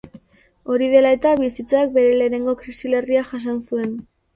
Hori dela eta bizitzak bere lehenengo krisi larria jasan zuen.